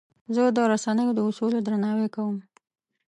زه د رسنیو د اصولو درناوی کوم.